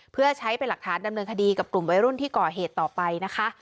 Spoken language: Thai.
เพื่อใช้เป็นหลักฐานดำเนินคดีกับกลุ่มวัยรุ่นที่ก่อเหตุต่อไปนะคะ